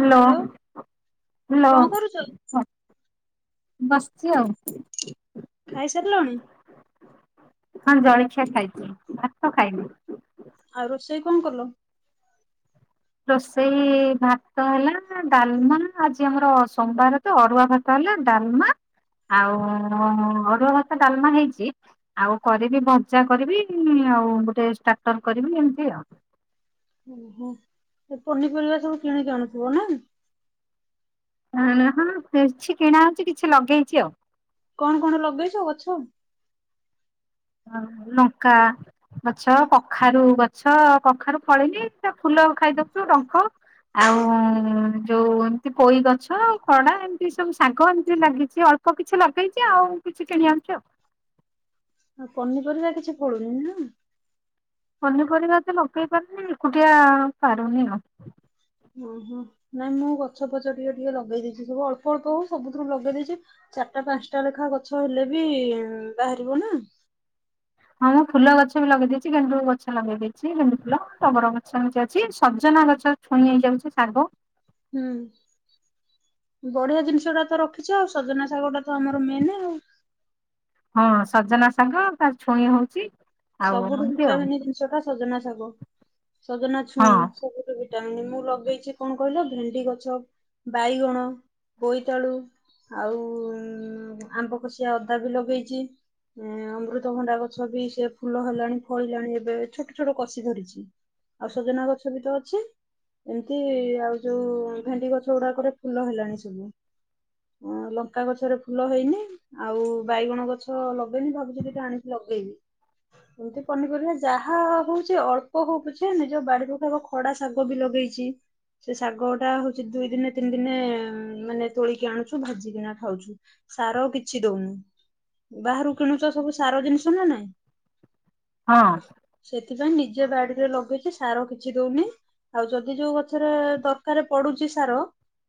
Hello hello hello କଣ କରୁଛ? ହ। ବସିଛି ଆଉ। ଖାଇ ସାରିଲଣି। ହଁ ଜଳଖିଆ ଖାଇଛି ଭାତ ଖାଇନି। ଆଉ ରୋଷେଇ କଣ କଲ। ରୋଷେଇ ଭାତ ହେଲା ଡାଲମା ଆଜି ଆମର ସୋମବାର ତ ଅରୁୁଆ ଭାତ ହେଲା ଡାଲମା ଆଉ ଅରୁଆ ଭାତ ଡାଲମା ହେଇଛି ଆଉ କରିବି ଭଜା କରିବି ଆଉ ଗୋଟେ ଷ୍ଟାଟର କରିବି ଏମିତି ଆଉ। ଓହୋ ପନିପରିବା ସବୁ କିଣିକି ଆଣୁଥିବ ନା। ହଁ ହଁ କିଛି କିଣା ହଉଛି କିଛି ଲଗେଇଛି ଆଉ। କଣ କଣ ଲଗେଇଛ ଗଛ। ହଁ ଲଙ୍କା। ଗଛ କଖାରୁ ଗ ଗଛ କଖାରୁ ଫଳିନି ତା ଫୁଲ ଖାଇଦଉଛୁ ଡଙ୍କ ଆଉ ଯୋଉ ଏମିତି ପୋଇ ଗଛ ଆଉ ଖଡା ଏମିତି ସବୁ ଶାଗ ଏମିତି ଲାଗିଛି ଅଳ୍ପ କିଛି ଲଗେଇଛି ଆଉ କିଛି କିଣି ଆଣୁଛି ଆଉ। ଆଉ ପନିପରିବା କିଛି ଫଳୁନି ନା। ପନିପରିବା ତ ଲଗେଇ ପାରୁନି ଏକୁଟିଆ ପାରୁନି ଆଉ। ଓହୋ ନାଇଁ ମୁଁ ଗଛ ଫଛ ଟିକେ ଟିକେ ଲଗେଇ ଦେଇଛି ସବୁ ଅଳ୍ପ ଅଳ୍ପ ହଉ ସବୁଥିରୁ ଲଗେଇ ଦେଇଛି ଚାରଟା ପାଞ୍ଚଟା ଲେଖା ଗଛ ହେଲେ ବି ବାହାରିବ ନା। ହଁ ମୁଁ ଫୁଲ ଗଛ ବି ଲଗେଇ ଦେଇଛି ଗେଣ୍ଡୁ ଗଛ ଲଗେଇ ଦେଇଛି ଗେଣ୍ଡୁ ଫୁଲ ଟଗର ଗଛ ଏମିତି ଅଛି ସଜନା ଗଛ ଛୁଇଁ ହେଇଯାଉଛି ଶାଗ। ହୁଁ ବଢିଆ ଜିନିଷ ଟା ତ ରଖିଛ ଆଉ ସଜନା ଶାଗ ଟା ତ ଆମର ମେନେ ଆଉ। ହଁ ସଜନା ଶାଗ ତାର ଛୁଇଁ ହଉଛି। ଆଉ ସବୁଠୁ ଏମିତି ଆଉ ଭିଟାମିନ ଜିନିଷଟା। ସଜନା ଶାଗ। ସଜନା ହଁ ଛୁଇଁ ସବୁଠୁ ଭି ମୁଁ ଲଗେଇଛି କଣ କହିଲ ଭେଣ୍ଡି ଗଛ ବାଇଗଣ ବୋଇତାଳୁ ଆଉ ଉମ ଆମ୍ବ ଖଷିଆ ଅଦା ବି ଲଗେଇଛି ଅମୃତଭଣ୍ଡା ଗଛ ବି ସେ। ଫୁଲ ହେଲାଣି ଫଳିଲାଣି ଏବେ ଛୋଟ ଛୋଟ କଷି ଧରିଛି ଆଉ ସଜନା ଗଛ ବି ତ ଅଛି ଏମିତି ଆଉ ଯୋଉ ଭେଣ୍ଡି ଗଛ ଗୁଡାକରେ ଫୁଲ ହେଲାଣି ସବୁ ଅ ଲଙ୍କା ଗଛରେ ଫୁଲ ହେଇନି ଆଉ ବାଇଗଣ ଗଛ ଲଗେଇନି ଭାବୁଛି ଦି ଟା ଆଣିକି ଲଗେଇବି। ଏମିତି ପନିପରିବା ଯାହା ହଉଛି ଅଳ୍ପ ହଉ ପଛେ ନିଜ ବାଡିରୁ ଖାଇବା ଖଡା ଶାଗ ବି ଲଗେଇଛି ସେ ଶାଗ ଟା ହଉଛି ଦୁଇ ଦିନେ ତିନି ଦିନେ ମାନେ ତୋଳିକି ଆଣୁଛୁ ଭାଜିିକିନା ଖାଉଛୁ ସାର କିଛି ଦଉନି ବାହାରୁ କିଣୁଛ ସବୁ ସାର ଜିନିଷ ନା ନାଇଁ। ହଁ। ସେଥିପାଇଁ ନିଜେ ବାଡିରେ ଲଗେଇଛି ସାର କିଛି ଦଉନି ଆଉ ଯଦି ଯୋଉ ଗଛରେ ଦରକାର ପଡୁଛି ସାର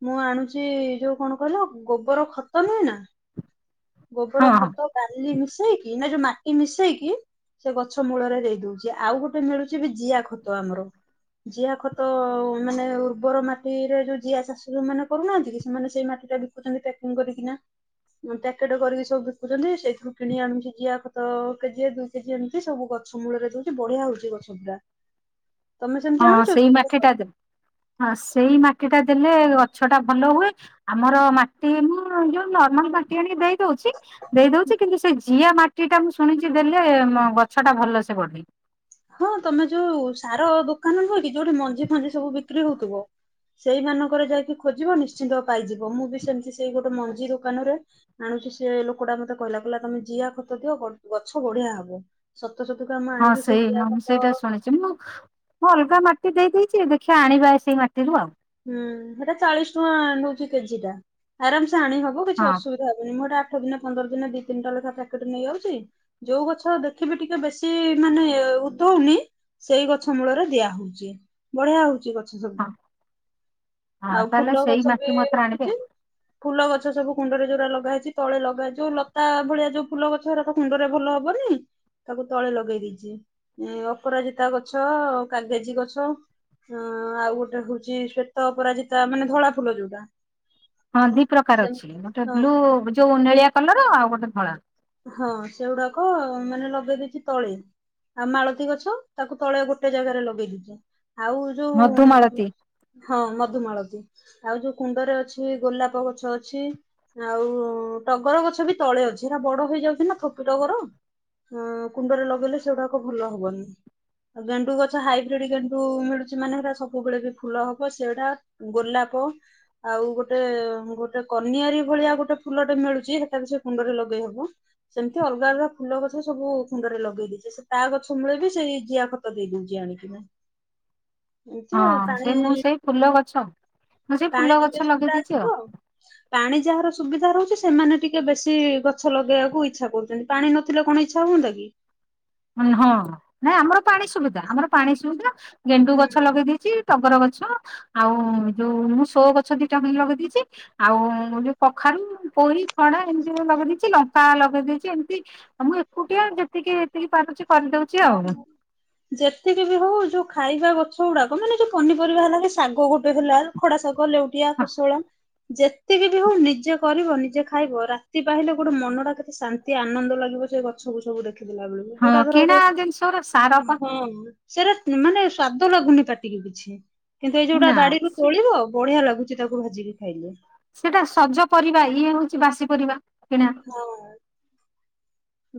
ମୁଁ ଆଣୁଛି ଯୋଉ କଣ କହିଲ ଗୋବର ଖତ ନୁହେଁ ନା। ଗୋବର ହଁ ହଁ ଖତ ବାଲି ମିଶ ମିଶେଇକି ନା ଯୋଉ ମାଟି ମିଶେଇ କି ସେ ଗଛ ମୂଳରେ ଦେଇ ଦଉଛି ଆଉ ଗୋଟେ ମିଳୁଛି ବି ଜିଆ ଖତ ଆମର ଜିଆ ଖତ ମାନେ ଉର୍ବର ମାଟିରେ ଯୋଉ ଜିଆ ଚାଷ ଯୋଉମାନେ କରୁନାହାନ୍ତି କି ସେମାନେ ସେଇ ମାଟି ଟା ବିକୁଛନ୍ତି ପ୍ୟାକିଙ୍ଗ କରିକିନା ପ୍ୟାକେଟ କରିକି ସବୁ ବିକୁଛନ୍ତି ସେଇଥିରୁ କିଣି ଆଣୁଛି ଜିଆ ଖତ। କେଜି ଦୁଇ କେଜି ଏମିତି ସବୁ ଗଛ ମୂଳରେ ଦଉଛି ବଢିଆ ହଉଛି ଗଛ ଗୁଡା। ହଁ ସେଇ ମାଟିଟା ଦେ ହଁ ସେଇ ମାଟିଟା। ଦେଲେ ଗଛ ଟା ଭଲ ହୁଏ ଆମର ମାଟି ମୁଁ ଯୋଉ ନର୍ମାଲ ମାଟି ଆଣି ଦେଇ। ଉଚି ଦେଇଦଉଛି କିନ୍ତୁ ସେ ଜିଆ ମା ମାଟି ଟା ମୁଁ ଶୁଣିଛି ଦେଲେ ମ ଗଛଟା ଭଲ ସେ ବଢେ। ହଁ ତମେ ଯୋଉ ସାର ଦୋକାନ ନୁହେଁ କି ଯୋଉଠି ମଞ୍ଜି ଫଞ୍ଜି ସବୁ ବିକ୍ରି ହଉଥିବ ସେଇମାନଙ୍କରେ ଯାଇକି ଖୋଜିବ ନିଶ୍ଚିନ୍ତ ପାଇଯିବ ମୁଁ ବି ସେମିତି ସେଇ ଗୋଟେ ମଞ୍ଜି ଦୋକାନରେ ଆଣୁଛି ସେ ଲୋକଟା ମତେ କହିଲା କହିଲା ତମେ ଜିଆ ଖତ ଦିଅ ଗ ଗଛ ବଢିଆ ହବ ସ ଖତ ସବୁ କୁ ହଁ ଆଣିକି ସେ। ସେଇ ମୁଁ ସେଇଟା ଶୁଣିଛି ମୁଁ ଅଲଗା ମା ଟି ଦେଇଛି ଦେଖିବା ଆଣିବା ଏ ସେଇ ମାଟିରୁ ଆଉ। ହଁ ସେଟା ଚାଳିଶ ଟଙ୍କା ନଉଛି କେଜି ଟା ଆରାମ। ଜାଣି ହବ କିଛି ହଁ ଅସୁବିଧା ହବନି ମୁ। ଆଠ ଦିନ ପନ୍ଦର ଦିନ ଦି ତିନିଟା ଲେଖା ପ୍ୟାକେଟ ନେଇଯାଉଛି ଯୋଉ ଗଛ ଦେଖିବି ଟିକେ ବେଶି ମାନେ ଉଧଉନି ସେଇ ଗଛ ମୂଳରେ ଦିଆ ହଉଛି ବଢିଆ ହଉଛି ଗ ଅଛି ହଁ ସବୁ ହଁ ଆଉ ତାହେଲେ ଫୁଲ ସେଇ ଗଛ ବି ମାଟି ମତରେ ଆଣିବେ। ରଖିଛି। ଫୁଲ ଗଛ ସବୁ କୁଣ୍ଡରେ ଯୋଉା ଲଗା ହେଇଛି ତଳେ ଲଗାହେଇଛିଉ ଲତା ଭଳିଆ ଯୋଉ ଫୁଲ ଗଛ ହେରା ତ କୁଣ୍ଡ ରେ ଭଲ ହବନି ତାକୁ ତଳେ ଲଗେଇ ଦେଇଛି ଏ ଅପରାଜିତା ଗଛ କାଗେଜି ଗଛ ଅ ଆଉ ଗୋଟେ ହଉଛି। ଶ୍ଵେତ ଅପରାଜିତା ମାନେ ଧଳା ଫୁଲ ଯୋଉଟା। ହଁ ଦି ପ୍ରକାର ସେ ଅଛି ଗୋଟେ ହଁ ବ୍ଲୁ ଯୋଉ ନଳିଆ। କଲର ଆଉ ଗୋଟେ ଧଳା। ହଁ ସେଗୁଡାକ ମାନେ ଲଗେଇ ଦେଇଛି ତଳେ ଆଉ ମାଳତୀ ଗଛ ତାକୁ ତଳେ ଗୋଟେ ଜାଗାରେ ଲଗେଇ ଦେଇଛି। ଆଉ ଯୋଉ। ମଧୁମାଳତୀ ହଁ ମଧୁମାଳତୀ ଆଉ ଯୋଉ କୁଣ୍ଡରେ ଅଛି ଗୋଲାପ ଗଛ ଅଛି ଆଉ ଟଗର ଗଛ ବି ତଳେ ଅଛି ଏଟ ବଡ। ହେଇଯାଉଛି ନା ଥୋପଟର କୁଣ୍ଡରେ ଲଗେଇଲେ ସେଗଟାକ ଭଲ ହବନି। ଆ ଗେଣ୍ଡୁ ଗଛ ହାଇବ୍ରିଡ ଗେଣ୍ଡୁ ମିଳୁଛି। ମାନେ ହେଟା ସବୁବେଳେ ବି ଫୁଲ ହବ ସେଟା ଗୋଲାପ ଆଉ ଗୋଟେ ଗୋଟେ କନିଆରୀ ଭଳିଆ ଗୋଟେ ଫୁଲଟେ ମିଳୁଛି ସେଟା ବି ସେ କୁଣ୍ଡରେ ଲଗେଇ ହବ। ସେମିତି ଅଲଗା ଅଲଗା ଫୁଲ ଗଛ ସବୁ ଖୁଣ୍ଡରେ ଲଗେଇ ଦେଇଛି ସେ ତା ଗଛ ମୂଳେ ବି ସେଇ ଜିଆ ଖତ ଦେଇଦଉଛି ଆଣିକନା। ଆଉ ହଁ ସେ ପାଣି ମୁଁ ସେଇ ଫୁଲ ଗଛ ମୁଁ ସେଇ ଫୁଲ ପାଣି ଗଛ ଟିକେ ଲଗେଇ ସୁବିଧା ଦେଇଛି ଅଛି ଆଉ ତୁ ଆ ପାଣି ଯାହାର ସୁବିଧା ରହୁଛି। ସେମାନେ ଟିକେ ବେଶି ଗଛ ଲଗେଇବାକୁ। ଇଚ୍ଛା କରୁଛନ୍ତି ପାଣି ନଥିଲେ କଣ ଇଚ୍ଛା ହୁଅନ୍ତା କି? ହଁ ନାଇଁ ଆମର ପାଣି ସୁବିଧା ଆମର ପାଣି ସୁବିଧା। ଗେଣ୍ଡୁ ହୁଁ ଗଛ ଲଗେଇ ଦେଇଛି। ଶଗର ଗଛ ଆଉ ଯୋଉ ମୁଁ ସୋ ଗଛ ଦିଟା ପାଇଁ ଲଗେଇ ଦେଇଛି। ଆଉ ଯୋଉ କଖାରୁ ପୋଇ ଫଣା ଏମିତି ଲଗେଇ ଦେଇଛି ଲଙ୍କା ଲଗେଇ ଦେଇଛି। ଏମିତି ମୁଁ ଏକୁଟିଆ ଯେତିକି। ସୋରୁଛି। ହଁ ଯେତିକି ବି ହଉ ଯୋଉ ଖାଇବା କଥା। ସବଗୁଡାକ ମାନେ ଯୋଉ ପନିରିବା ହେଲା କି ଶାଗ ଗୋଟେ ହେଲା ଖଡା ଶାଗ ଲେଉଟିଆ ହଁ କୁଶଳ ଯେ ଏତିକି ବି ହଉ ନିଜେ କରିବ ନିଜେ ଖାଇବ ରାତି ପାହିଲଲେ ଗୋଟେ ମନ ଟା କେତେ ଶାନ୍ତି ଆନନ୍ଦ ଲାଗିବ ସେ ଗଛ ଗୁଛକୁୁ ଦେଖି ଥିଲାଳେ ମୁଁ ଯଉଟାର ଦିନିଷ ର ସାରା ପ ସେଇଟା ମାନେ ସ୍ଵାଦ ଲାଗୁନି ପାଟିକି କିଛି କିନ୍ତୁ ଏଇ ଯୋଉଟା ନା ବାଡି ରରୁ ସେ- ତୋଳିବ ବଢିଆ ଲାଗୁଛି। ତାକୁ ଭାଜିକି ଖାଇଲେ। ସେଇଟା ସଜ ପରିବା ଇଏ ହଉଚି ବାସି ପରିବା। କିଣା ହଁ।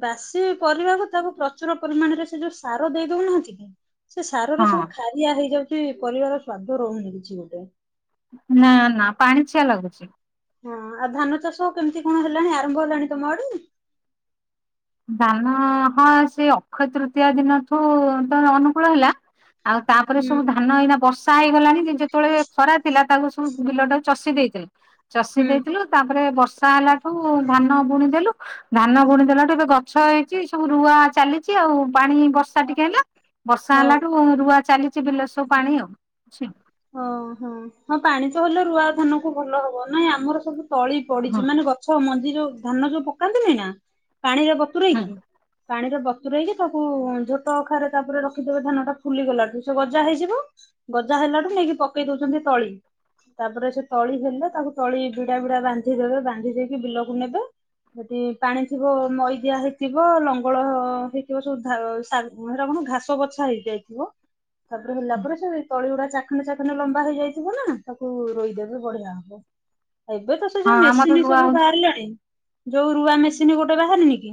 ବାସି ପରିବାକୁ ତାକୁ ପ୍ରଚୁର ପରିମାଣରେ ସେ ଯୋଉ ସାର ଦେଇ ଦଉନାହାନ୍ତି କି? ସେ ସାରରେ ହଁ ସବୁ ଖାଲିଆ ହେଇଯାଉଚି। ସେ ପରିବାର ସ୍ଵାଦ ରହୁନି କିଛି ଗୋଟେ ନା ନା ପାଣି ଚିଆ ଲାଗୁଚି। ହଁ ଆଉ ଧାନ ଚାଷ କେମିତି କଣ ହେଲାଣି, ଆରମ୍ଭ ହେଲାଣି ତମ ଆଡେ? ଦାନ ହଁ ସେ ଅକ୍ଷୟ ତୃତୀୟା ଦିନଠୁ ତ ଅନୁକୂଳ ହେଲା। ଆଉ ତାପରେ ସବୁ ହୁଁ ଧାନ ଏଇନା ବର୍ଷା ହେଇ ହେଲାଣି ଯେ ଯେତେବେଳେ ଖରା ଥିଲା ତାକୁ ସବୁ ବିଲ ଟା ଚଷି ଦେଇଥିଲା। ଚଷି ହୁଁ। ଦେଇଥିଲୁ ତାପରେ ବର୍ଷ ଷା ହେଲାଠୁ ଧାନ ବୁଣିଦେଲୁ। ଧାନ ବୁଣି ଦେଲା ଠୁ ଗଛ ହେଇଚି ସବୁ ରୁଆ ଚାଲିଛି ଆଉ। ପାଣି ବର୍ଷା ଟିକେ ହେଲା, ବର୍ଷା ହଁ ହେଲାଠୁ ରୁଆ ଚାଲି କିଛି ବିଲ ସବୁ ପାଣି ଆଉ ଅଛି। ଓହୋ। ହଁ ପାଣି ତ ହେଲେ ରୁଆ ଧାନକୁ ଭଲ ହବ ନାଇଁ ଆମର ସବୁ ତଳି ହଁ ପଡିଚି ମାନେ ଗଛ ମ ଯୋଉ ଧାନ ଯଉ ପକାନ୍ତି ନାଇଁ ନା? ପାଣିର ହୁଁ ବତୁରଇକି ପାଣିର ବତ ତରେଇକି ତାକୁ ଝୋଟ ଅଖାରେ ତାପରେ ରଖିଦେବେ ଧାନ ଟା ଫୁଲି ଗଲାଠୁ, ସେ ଗଜା ହେଇଯିବ ଗଜା ହେଲା ତାରେ ନେଇକି ପକେଇ ଦଉଚନ୍ତି ତଳି, ତାପରେ ସେ ତଳି ହେଲେ ତାକୁ ତଳି ଭିଡା ଭିଡା ବାନ୍ଧି ଦେବେ, ବାନ୍ଧି ଦେଇକି ବିଲକୁ ନେବେ। ସେଠୁ ପାଣି ଥିବ ମଇଦିଆ ହେଇଥିବ, ଲଙ୍ଗଳ ହେଇଥିବ ସବୁ ହେରା କଣ ଘାସ ବଛା ହେଇଯାଇଥିବ। ତାପରେ ହେଲା ପରେ ସେ ତଳି ଗୁଡା ଚା ଖାନ ଚାଖଣ୍ଡ ଲମ୍ବା ହେଇଯାଇଥିବ ନା ତାକୁ ରୋଇଦେବେ ବଢିଆ ହବ। ଏବେ ତ ସେ ହଁ ଯୋଉ ଆମର ମେସିନ୍ ରୁଆ ସବୁ ହଉଛି ପା ବାହାରିଲାଣି। ଯୋଉ ରୁଆ ମେସିନ୍ ଗୋଟେ ବାହାରିନି କି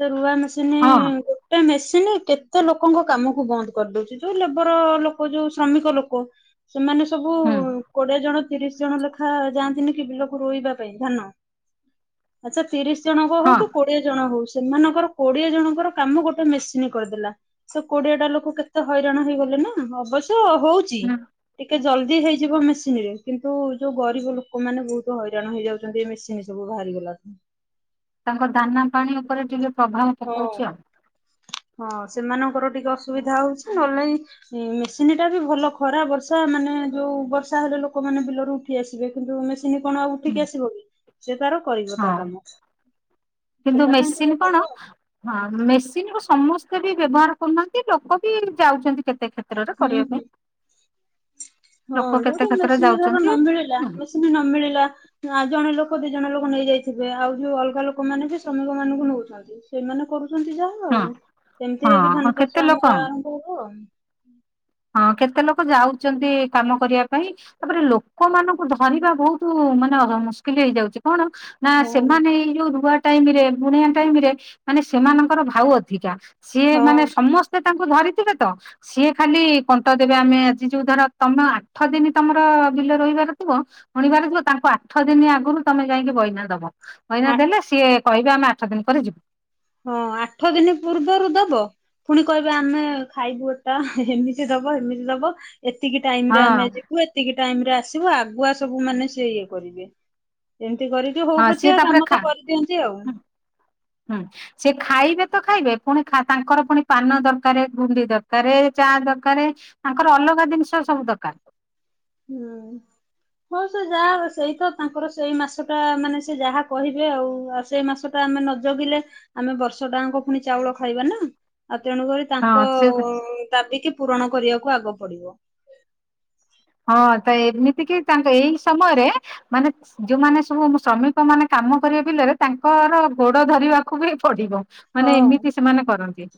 ସେ ରୁଆ ମେ ମସିନି ହଁ ଗୋଟେ ମେସିନି କେତେ ଲୋକଙ୍କ କାମକୁ ବନ୍ଦ କରିଦଉଚି, ଯୋଉ ଲେବର ଲୋକ ଯୋଉ ଶ୍ରମିକ ଲୋକ ସେମାନେ ସବୁ ହୁଁ କୋଡିଏ ଜଣ ତିରିଶ ଜଣ ଲେଖା ଯାଆନ୍ତିନି କି ବିଲକୁ ରୋଇବା ପାଇଁ ଧାନ, ଆଚଛା ତିରିଶ ଜଣଙ୍କ ହଉ ହଁ। କି କୋଡିଏ ଜଣ ହଉ ସେମାନଙ୍କର କୋଡିଏ ଜଣଙ୍କର କାମ ଗୋଟେ ମେସିନ୍ କରିଦେଲା। ସେ କୋଡିଏ ଟା ଲୋକ କେତେ ହଇରାଣ ହେଇଗଲେ ନା ଅବଶ୍ୟ। ତ ହଉଚି ହୁଁ ଟିକେ ଜଲଦି ହେଇଯିବ ମେସିନ ରେ, କିନ୍ତୁ ଯୋଉ ଗରିବ ଲୋକ ମାନେ ବହୁତ ହଇରାଣ ହେଇଯାଉଚନ୍ତି ଏ ମେସିନ ସବୁ ବାହାରିଗଲାଣୁ। ତାଙ୍କ ଦାନା ପାଣି ଉପରେ ଟିକେ ପ୍ରଭାବ ପକଉଛି ହଁ। ଆଉ। ହଁ ସେମାନଙ୍କର ଟିକେ ଅସୁବିଧା ହଉଛି ନହେଲେ ନାହିଁ। ମେସିନ୍ ଟା ବି ଭଲ ଖରା ବର୍ଷା ମାନେ ଯୋଉ ବର୍ଷା ହେଲେ ଲୋକମାନୋନ ବିଲରୁ ଉଠି ଆସିବେ କିନ୍ତୁ ମେ ମେସିନ କଣ ଆଉ ହୁଁ ଉଠିକି ଆସିବ କି ସେ ତାର କରିବ ତା ହଁ। କାମ କିନ୍ତୁ ସେଟା ପାଇଁ ମେସିନ୍ ଟିକେ କଣ ଭଲ ଆଉ। ହଁ ମେସିନ ରୁ ସମସ୍ତେ ବି ବ୍ୟବହାର କରୁନାହାନ୍ତି। ଲୋକ ବି ଯାଉଛନ୍ତି। କେତେ କ୍ଷତ୍ ତ୍ରରେ ହୁଁ କରିବା ହୁଁ। ପାଇଁ। ହଁ ଲୋକ କେତେ ଯୋଉଠି କ୍ଷେତ୍ରରେ ମେସିନ ଧର ନ ଯାଉଛନ୍ତି। ମିଳିଲା ମେସିନ ନ ମିଳିଲା। ଆ ଜଣେ ଲୋ କ ଦି ଜଣ ଲୋକ ନେଇ ଯାଇଥିବେ। ଆଉ ଯୋଉ ଅଲଗା ଲୋକମାନେ ବି ଶ୍ରମିକ ମାନଙ୍କୁ ନଉଛନ୍ତି ସେମାନେ କରୁ ଚନ୍ତି ଯାହା। ହଁ ଆଉ ସେମିତି ହଁ ହେଇକି ହଁ ଧାନ ଚାଷ କେତେ ଆମର ଲୋକ ଆରମ୍ଭ ହବ। ହଁ କେତେ ଲୋକ ଯାଉଛନ୍ତି କାମ କରିବା ପାଇଁ। ତାପରେ ଲୋକମାନଙ୍କୁ ଧରିବା ବହୁତ ମାନେ ମୁସ୍କିଲ ହେଇଯାଉଛି। କଣ? ନା ହଁ ସେମାନେ ଏଇ ଯୋଉ ରୁଆ ଟାଇମ ରେ ବୁଣିବା ଟାଇମ ରେ ମାନେ ସେମାନଙ୍କର ଭାଉ ଅଧିକା। ସିଏ ମାନେ ହଁ ସମସ୍ତେ। ତାଙ୍କୁ ଧରିଥିବେ ତ ସିଏ ଖାଲି କଣ୍ଟ ଦେବେ। ଆମେ ଆଜି ଯୋଉ ଧର ତମେ ଆଠ ଦିନ ତମର ବିଲ ରଇବାର ଥିବ ବୁଣିବାର ଥିବ। ତାଙ୍କୁ ଆଠ ଦିନ ଆଗରୁ ତମେ ଯାଇକି ବଇନା ଦବ। ବଇନା ଆ ଦେଲେ ସିଏ କହିବେ ଆମେ ଆଠ ଦିନ ପରେ ଯିବୁ। ହଁ ଆଠ ଦିନ ପୂର୍ବରୁ ଦବ। ପୁଣି କହିବେ ଆମେ ଖାଇବୁ ଏଟା ଏମିତି ଦବ ଏମିତି ଦବ। ଏତିକି ଟାଇମ ରେ ହଁ ଆମେ ଯିବୁ ଏତିକି ଟାଇମ ରେ ଆସ୍ ଆସିବ ଆଗୁଆ ସବୁ ମାନେ ସେ ଇଏ କରିବେ ଏମତି। ଏ କରିକି ହଉ ହଁ ପଛ ସିଏ ଆ ତାପରେ କାମ ତ ଖା କରିଦିଅନ୍ତି ଆଉ। ହୁଁ ସେ ଖାଇବେ ତ ଖାଇବେ। ପୁଣି ଖା ତାଙ୍କର ପୁଣି ପାନ ଦରକାର ଗୁଣ୍ଡି ଦରକାର। ଚା ଦରକାର ତାଙ୍କର ଅଲଗା ଜିନିଷ ସବୁ ଦରକାର। ହୁଁ ହଉ ସେ ଯାହା ସେଇ ତ ତାଙ୍କର ସେଇ ମାସ ଟା ମାନେ ସେ ଯାହା କହିବେ। ଆଉ ଆଉ ସେଇ ମାସ ଟା ଆମେ ନ ଜଗିଲେ ଆମେ ବର୍ଷ ଟାଙ୍କ ପୁଣି ଚାଉଳ ଖାଇବା ନା। ଆଉ ତେଣୁକରି ହଁ ତାଙ୍କ ସେ ଦାବିକି ପୂରଣ କରିବାକୁ ଆଗ ପଡିବ। ହଁ ତ ଏମିତି କି ତାଙ୍କ ଏଇ ସମୟରେ ମାନେ ଯୋଉମାନେ ସବୁ ଶ୍ରମିକ ମାନେ କାମ କରିବେ ବିଲରେ ତାଙ୍କର ଗୋଡ ଧରିବାକୁ ବି ପଡିବ। ହଁ। ମାନେ ଏମିତି ସେମାନେ କରନ୍ତି।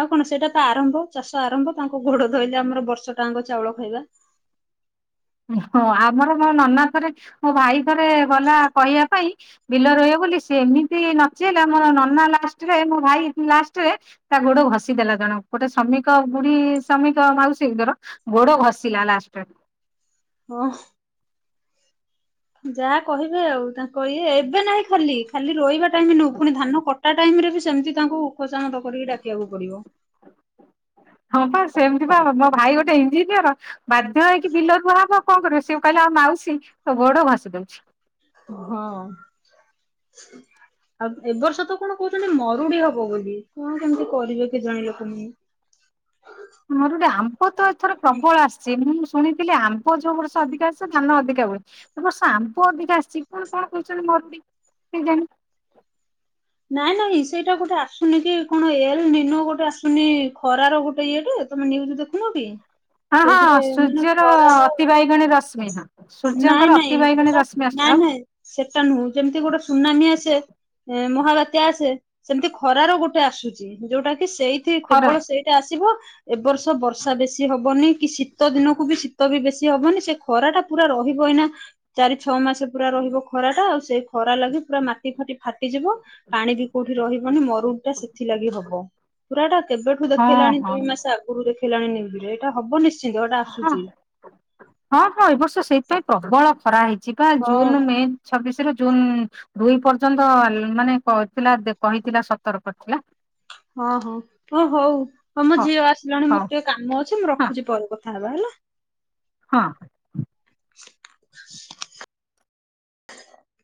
ଆଉ କଣ ସେଇଟା ତ ଆରମ୍ଭ ଚାଷ ଆରମ୍ଭ। ତାଙ୍କ ଗୋଡ ଧୋଇଲେ ଆମର ବର୍ଷ ଟାଙ୍କ ଚାଉଳ ଖାଇବା। ହଁ ଆମର ମୋ ନନା ଥରେ ମୋ ଭାଇ ଥରେ ଗଲା କହିବା ପାଇଁ। ବିଲ ରୋଇବ ବୋଲି ସେ ଏମିତି ନଚେଇଲା ମୋ ନନା ଲାଷ୍ଟରେ ମୋ ଭାଇ ଲାଷ୍ଟରେ ତା ଗୋଡ ଘଷି ଦେଲା। ଜଣ ଗୋଟେ ଶ୍ରମିକ ବୁଢୀ ଶ୍ରମିକ ମାଉସୀ ଙ୍କର ଗୋଡ ହୁଁ। ଘଷିଲା ଲାଷ୍ଟ [unintelligible] ହଁ। ଯାହା କହିବେ ଆଉ ତାଙ୍କୁ ଇଏ ଏ ବା ନାଇଁ ଖାଲି। ଖାଲି ରୋଇବା ଟାଇମ ନୁ ପୁଣି ଧାନ କଟା ଟାଇମ ରେ ବିସେ ସେମତି ତାଙ୍କୁ ଖୋସାମତ କରିକି ଡାକିବାକୁ ପଡିବ। ହଁ ବା ସେମିତି ବା ମୋ ଭାଇ ଗୋଟେ ଇଞ୍ଜିନିୟର। ବାଧ୍ୟ ହେଇକି ବିଲରୁୁହବ କଣ କରିବ। ସେ କହିଲେ ଆଉ ମାଉସୀ ତୋ ଗୋଡ ଘସି ଦଉଛି। ହଁ [inaudible] ଆଉ ଏ ବର୍ଷ ତ କଣ କହୁଛନ୍ତି ମରୁଡି ହବ ବୋଲି। କଣ କେମିତି କରିବେ କେଜଣି ଲୋକ ମାନେ। ମରୁଡି ଆମ୍ବ ତ ଏଥର ପ୍ରବଳ ଆସିଛି ମୁଁ। ଶୁଣିଥିଲି ଆମ୍ବ ଯୋଉ ବର୍ଷ ଅଧିକ ଆସଛି ଧାନ ଅଧିକା ହୁଏ। ଏବର୍ଷ ଆମ୍ବ ଅଧିକା ଆସିଛି କଣ କଣ କହୁଛନ୍ତି ମରୁଡି କେଜାଣି? ନାଇଁ ନାଇଁ ସେଇଟା ଗୋଟେ ଆସୁନି କି କଣ ଏଲ ନିନୋ ଗୋଟେ। ଆସୁନି ଖରାର ଗୋଟେ ଇଏ ଟେ ତମେ ନ୍ୟୁଜ ଦେଖୁନ କି? ହଁ ହଁ ସେଇଥିରେ ମାନେ ସୂର୍ଯ୍ୟର ଖରାର ଅତି ବାଇଗଣୀ ରଶ୍ମି ହଁ। ନାଇଁ ସୂର୍ଯ୍ୟଙ୍କର ନାଇଁ ଅତି ବାଇଗଣୀ ସେଟା ରଶ୍ମି ଆସୁଛି ନାଇଁ ଆଉ ନାଇଁ ସେଟା ନୁହଁ ଯେମିତି ଗୋଟେ ସୁନାମି ଆସେ ହଁ ମ। ମହାବାତ୍ୟା ଆସେ ସେମିତି ଖରାର ଗୋଟେ ଆସୁଛି ଯୋଉଟା ସେଇଠ ଖରା କେବଳ ସେଇଟା ଆସିବ। ଏବ ବର୍ଷ ବର୍ଷା ବେଶି ହବନି କି ଶୀତ ଦିନକୁ ବି ଶୀତ ବି ବେଶୀ ହବନି ସେ ଖରା ଟା ପୁରା ରହିବ ଏଇନା ଚାରି ଛଅ ମାସ ପୁରା ରହିବ ଖରା ଟା ଆଉ ସେ ଖରା ଲାଗି ପୁରା ମାଟି ଖଟି ଫାଟିଯିବ। ପାଣି ବି କୋଉଠି ରହିବନି ମରୁନ୍ ଟା ସେଥିଲାଗି ହବ ପୁରା ଟା କେବେଠୁ ହଁ ଦେଖେଇଲାଣି ହଁ ଦୁଇ ମାସ ଆଗରୁ। ଖୋଣି ନିରେ ଏଟା ହବ ନିି? ହଁ ହଁ ହଁ ଏବ ବର୍ଷ ସେଇପାଇଁ ପ୍ରବଳ କରାହଇଛି [inaudible] ଯିବା ହଁ। ଜୁନ ମେ ଛବିଶ ର ଜୁନ ଦୁଇ ପର୍ଯ୍ୟନ୍ତ ମାନେଥିଲା କହିଥିଲା ସତର୍ କରିଥିଲା। ହଁ ହଁ ହ ହଉ ହଁ ମୋ ଝିଅ ଆସିଲାଣି ହଉ ମୋର ଟିକେ କାମ ଅଛି ମୁଁ ହଁ ରଖୁଛି ପରେ କଥା ହେବା ହେଲା। ଁ [inaudible] ହଁ। [inaudible]